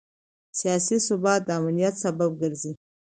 سیاسي ثبات د امنیت سبب ګرځي